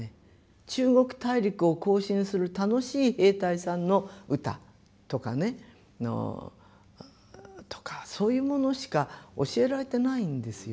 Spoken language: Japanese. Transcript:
中国大陸を行進する楽しい兵隊さんの歌とかねそういうものしか教えられてないんですよ。